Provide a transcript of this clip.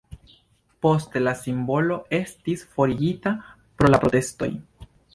Poste la simbolo estis forigita pro la protestoj.